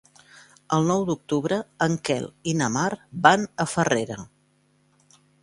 El nou d'octubre en Quel i na Mar van a Farrera.